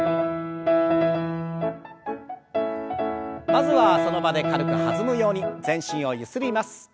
まずはその場で軽く弾むように全身をゆすります。